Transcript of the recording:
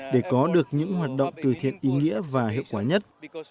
để có được những hoạt động từ thiện ý nghĩa và hiệu quả nhất